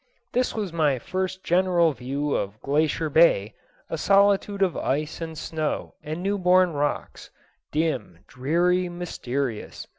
This was my first general view of Glacier Bay, a solitude of ice and snow and newborn rocks, dim, dreary, mysterious.